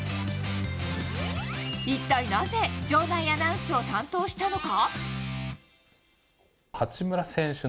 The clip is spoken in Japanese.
一体なぜ場内アナウンスを担当したのか？